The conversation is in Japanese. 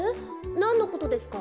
なんのことですか？